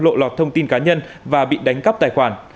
lộ lọt thông tin cá nhân và bị đánh cắp tài khoản